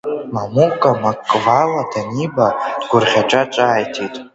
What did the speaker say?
Мамука Маҟвала даниба, дгәырӷьаҵәа ҿааиҭит…